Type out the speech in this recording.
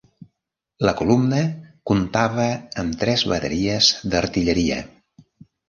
La columna comptava amb tres bateries d'artilleria.